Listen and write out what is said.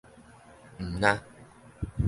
毋但